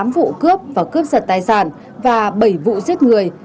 một mươi tám vụ cướp và cướp sạch tài sản và bảy vụ giết người